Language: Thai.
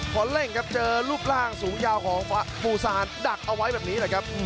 พอเร่งครับเจอรูปร่างสูงยาวของปูซานดักเอาไว้แบบนี้แหละครับ